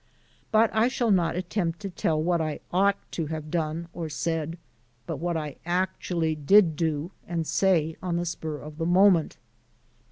But I shall not attempt to tell what I ought to have done or said, but what I actually did do and say on the spur of the moment.